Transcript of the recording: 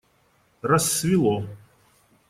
Рассвело.